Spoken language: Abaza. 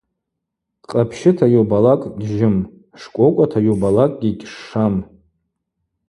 Къапщыта йубалакӏ гьжьым, шкӏвокӏвата йубалакӏгьи гьшшам.